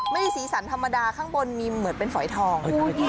สีสันธรรมดาข้างบนมีเหมือนเป็นฝอยทอง